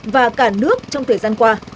và cả nước trong thời gian qua